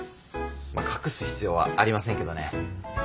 隠す必要はありませんけどね。